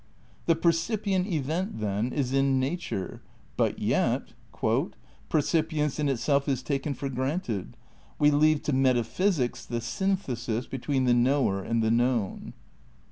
The percipient event, then, is in nature. But yet "Percipience in itself is taken for granted. ... We leave to meta physics the synthesis between the knower and the known."